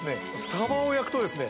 サバを焼くとですね